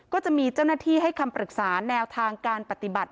ก็จะมีเจ้าหน้าที่ให้คำปรึกษาแนวทางการปฏิบัติ